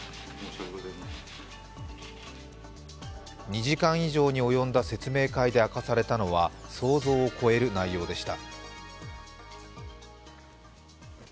２時間以上に及んだ説明会で明かされたのは想像を超える内容でした。